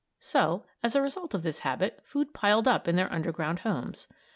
So, as a result of this habit, food piled up in their underground homes.